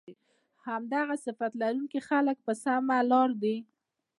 همدغه صفت لرونکي خلک په سمه لار دي